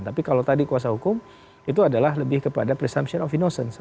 tapi kalau tadi kuasa hukum itu adalah lebih kepada presumption of innocence